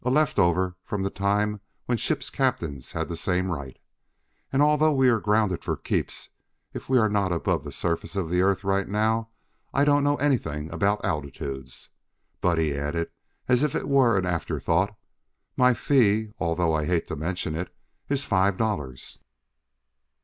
A left over from the time when ship's captains had the same right. And although we are grounded for keeps, if we are not above the surface of the Earth right now I don't know anything about altitudes. But," he added as if it were an afterthought, "my fee, although I hate to mention it, is five dollars."